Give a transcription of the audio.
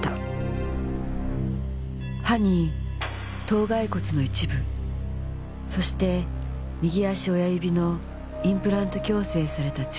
歯に頭蓋骨の一部そして右足親指のインプラント矯正された中足骨。